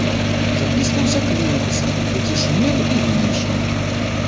Запісваўся клінапісам, які шумеры і вынайшлі.